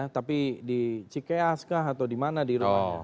tapi di cikeaskah atau di mana di rumahnya